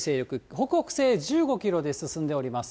北北西へ１５キロで進んでおります。